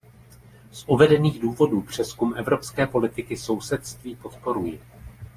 Z uvedených důvodů přezkum evropské politiky sousedství podporuji.